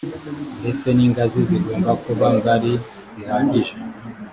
ndetse n ingazi zigomba kuba ngari bihagije